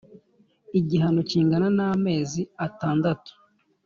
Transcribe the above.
Igihano kingana n amezi atandatu